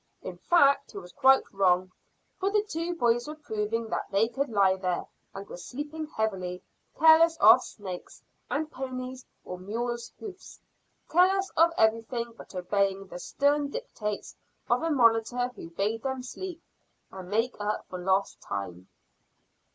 In fact, he was quite wrong, for the two boys were proving that they could lie there, and were sleeping heavily, careless of snakes, and ponies' or mules' hoofs, careless of everything but obeying the stern dictates of a monitor who bade them sleep and make up for lost time.